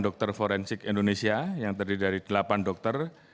dokter forensik indonesia yang terdiri dari delapan dokter